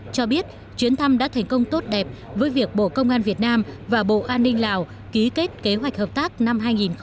cho biết chuyến thăm đã thành công tốt đẹp với việc bộ công an việt nam và bộ an ninh lào ký kết kế hoạch hợp tác năm hai nghìn hai mươi bốn